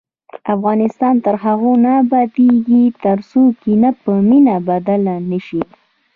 افغانستان تر هغو نه ابادیږي، ترڅو کینه په مینه بدله نشي.